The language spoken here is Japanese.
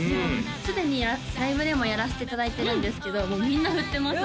すでにライブでもやらせていただいてるんですけどもうみんな振ってます